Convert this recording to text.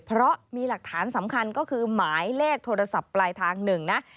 เพราะมีหลักฐานสำคัญก็คือหมายเลขโทรศัพท์ปลายทางหนึ่งนะ